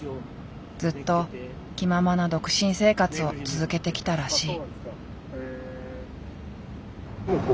ずっと気ままな独身生活を続けてきたらしい。